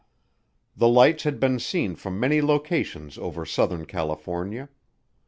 The lights had been seen from many locations over Southern California.